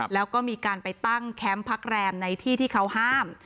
แล้วก็มีการไปตั้งแคมป์พักแรมในที่ที่เขาห้าม